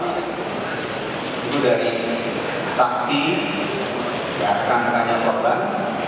itu dari saksi kandang kandangnya korban